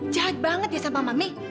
jahat banget ya sama mam nih